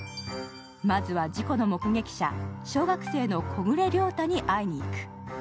まずは事故の目撃者、小学生の小暮良太に会いに行く。